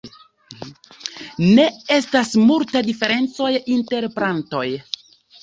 Ne estas multa diferencoj inter plantoj.